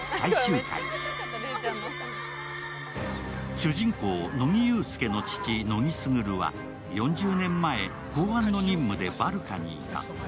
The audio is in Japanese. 主人公・乃木憂助の父、乃木卓は４０年前、公安の任務でバルカにいた。